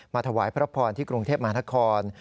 มาถวายพระพรที่กรุงเทพมหาทะคอน